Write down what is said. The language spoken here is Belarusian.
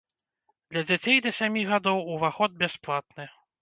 Для дзяцей да сямі гадоў уваход бясплатны.